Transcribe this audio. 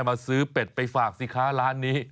มาซื้อเป็ดไปฝากสิคะร้านนี้